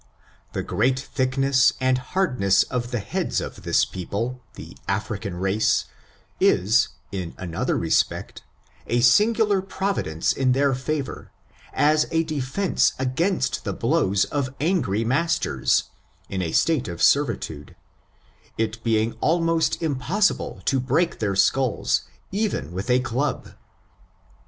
The great thickness and hardness of the heads of this people — the African race — is, in another rcspect| a singular providence in their favor, as a defense against the blows of angry masters, in a state of ser vitude— it being almost impossible to break their skulls even with a club.